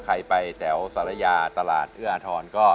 ใครไปแถวสรรยาตลาดเอื้อถอนก็